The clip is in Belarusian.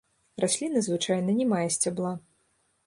Расліна звычайна не мае сцябла.